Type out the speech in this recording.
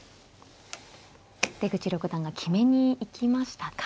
出口六段が決めに行きましたか。